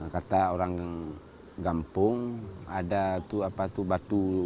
kata orang gampung ada batu